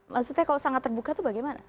maksudnya kalau sangat terbuka itu bagaimana